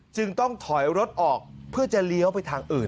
จึงต้องถอยรถออกเพื่อจะเลี้ยวไปทางอื่น